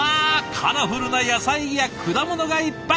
カラフルな野菜や果物がいっぱい！